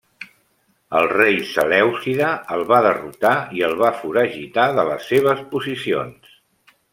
El rei selèucida el va derrotar i el va foragitar de les seves posicions.